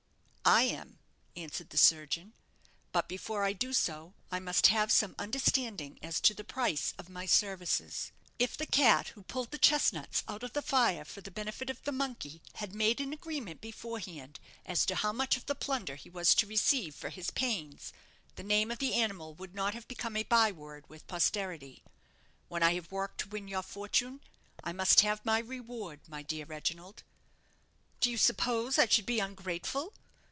"I am," answered the surgeon; "but before I do so I must have some understanding as to the price of my services. If the cat who pulled the chestnuts out of the fire for the benefit of the monkey had made an agreement beforehand as to how much of the plunder he was to receive for his pains, the name of the animal would not have become a bye word with posterity. When I have worked to win your fortune, I must have my reward, my dear Reginald." "Do you suppose I should be ungrateful?"